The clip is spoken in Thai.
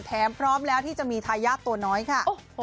พร้อมแล้วที่จะมีทายาทตัวน้อยค่ะ